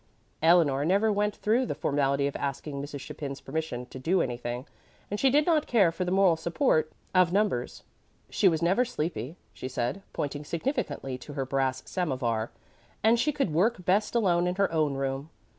Eleanor never went through the formality of asking Mrs. Chapin's permission to do anything, and she did not care for the moral support of numbers. She was never sleepy, she said, pointing significantly to her brass samovar, and she could work best alone in her own room.